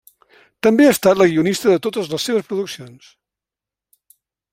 També ha estat la guionista de totes les seves produccions.